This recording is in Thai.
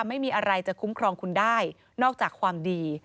ไม่มีอะไรจะคุ้มครองคุณได้นอกจากความดี